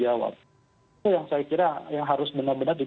jika ada pertandingannya yang seperti itu